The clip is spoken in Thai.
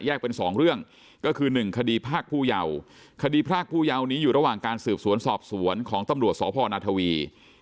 เป็นสองเรื่องก็คือ๑คดีพรากผู้เยาว์คดีพรากผู้เยาว์นี้อยู่ระหว่างการสืบสวนสอบสวนของตำรวจสพนาทวี